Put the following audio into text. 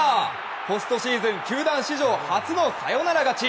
ポストシーズン球団史上初のサヨナラ勝ち！